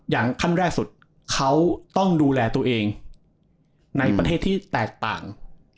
ขั้นแรกสุดเขาต้องดูแลตัวเองในประเทศที่แตกต่าง